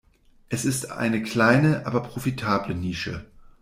Es ist eine kleine aber profitable Nische.